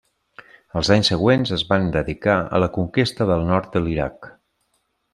Els anys següents es van dedicar a la conquesta del nord de l'Iraq.